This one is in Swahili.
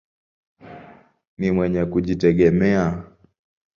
Ni mwenye kujitegemea.